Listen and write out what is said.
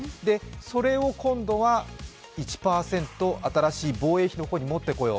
それを今度は１％新しい防衛費の方に持ってこよう。